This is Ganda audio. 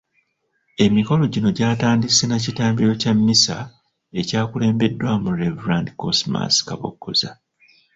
Emikolo gino gyatandise na kitambiro kya mmisa ekyakulembeddwamu Rev.Cosmas Kaboggoza.